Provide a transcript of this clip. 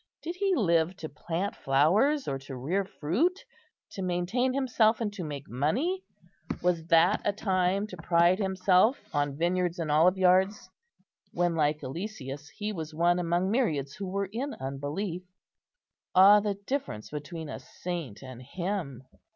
Did he live to plant flowers, or to rear fruit, to maintain himself and to make money? Was that a time to pride himself on vineyards and oliveyards, when, like Eliseus, he was one among myriads who were in unbelief? Ah, the difference between a saint and him?